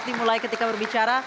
dimulai ketika berbicara